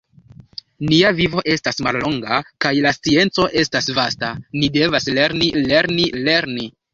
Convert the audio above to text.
Nia vivo estas mallonga kaj la scienco estas vasta; ni devas lerni, lerni, lerni!